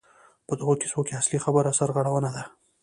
په دغو کیسو کې اصلي خبره سرغړونه ده.